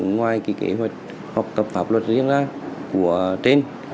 ngoài kế hoạch học tập pháp luật riêng ra của trên